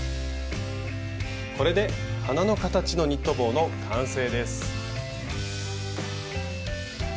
これで花の形のニット帽の完成です。